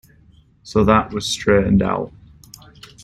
So that was straightened out.